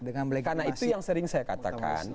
karena itu yang sering saya katakan